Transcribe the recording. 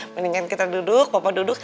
mendingan kita duduk papa duduk